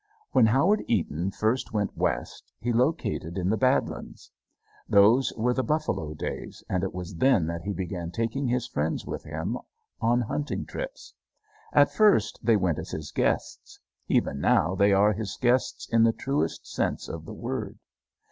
When Howard Eaton first went West he located in the Bad Lands. Those were the "buffalo" days, and it was then that he began taking his friends with him on hunting trips. At first they went as his guests. Even now they are his guests in the truest sense of the word.